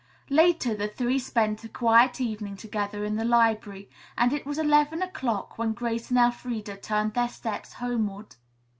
Later the three spent a quiet evening together in the library, and it was eleven o'clock when Grace and Elfreda turned their steps homeward.